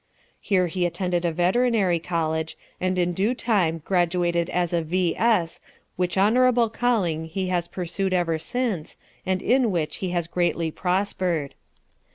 Here he attended a veterinary college, and in due time graduated as a V.S., which honorable calling he has pursued ever since, and in which he has greatly prospered.